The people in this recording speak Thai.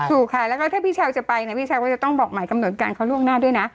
ถูกค่ะแล้วก็ถ้าพี่เช้าจะไปนะพี่เช้าก็จะต้องบอกหมายกำหนดการเขาล่วงหน้าด้วยนะ